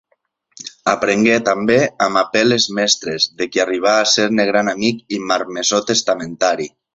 Aprengué, també, amb Apel·les Mestres, de qui arribà a ser-ne gran amic i marmessor testamentari.